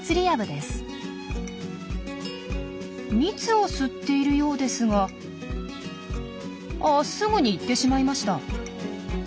蜜を吸っているようですがあすぐに行ってしまいました。